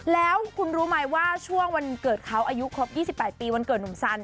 แล้วคุณรู้ไหมว่าช่วงวันเกิดเขาอายุครบ๒๘ปีวันเกิดหนุ่มซัน